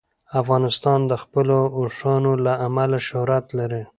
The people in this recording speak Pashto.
افغانستان د خپلو اوښانو له امله شهرت لري.